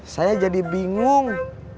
saya jadi bingung